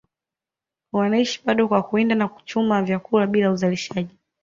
wanaishi bado kwa kuwinda na kuchuma vyakula bila uzalishaji